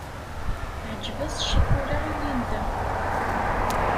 Teɛǧeb-as ccikula i Linda.